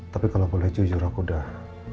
tapi kalau boleh jujur aku udah